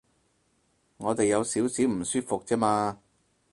我哋有少少唔舒服啫嘛